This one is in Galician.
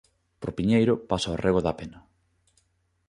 Por Piñeiro pasa o rego da Pena.